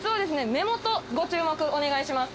目元ご注目お願いします。